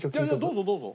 どうぞどうぞ。